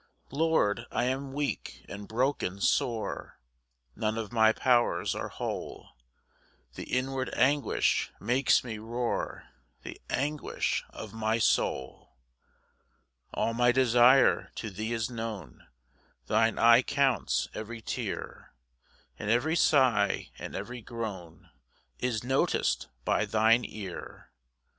5 Lord, I am weak, and broken sore, None of my powers are whole; The inward anguish makes me roar, The anguish of my soul. 6 All my desire to thee is known, Thine eye counts every tear, And every sigh, and every groan Is notic'd by thine ear.